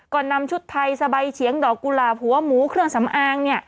ก็นำชุดไทยสบายเฉียงดอกกุหลาบหัวหมูเครื่องสำอาง